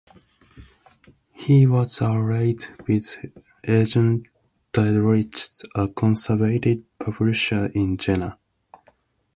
He was allied with Eugen Diderichs, a conservative publisher in Jena.